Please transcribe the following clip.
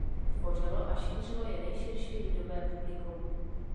Tvořilo a šířilo je nejširší lidové publikum.